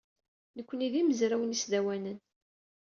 Nekkni d imezrawen isdawanen.